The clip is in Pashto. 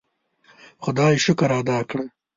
خدای شکر ادا کړ.